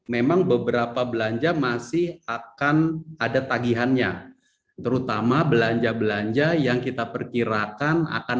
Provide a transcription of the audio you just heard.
memang beberapa belanja masih akan ada tagihannya terutama belanja belanja yang kita perkirakan akan